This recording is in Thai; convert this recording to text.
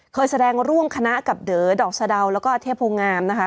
เคยแสดงร่วมคณะกับเด๋อดอกสะดาวแล้วก็เทพโงงามนะคะ